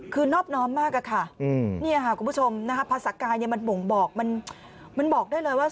คือนอบน้อมมากค่ะนี่คุณผู้ชมภาษากายมันบอกได้เลยว่า